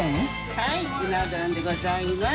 はいうな丼でございます。